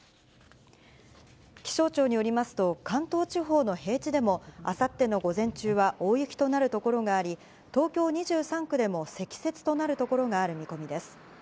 気象庁によりますと、関東地方の平地でも、あさっての午前中は大雪となる所があり、東京２３区でも積雪となる所がある見込みです。